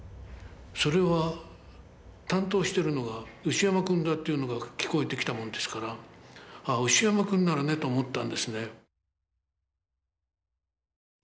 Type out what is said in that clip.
それは担当してるのが牛山君だというのが聞こえてきたもんですからああ牛山君ならねと思ったんですね。